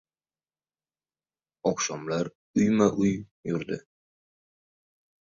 Oqshomlari uyma-uy yurdi.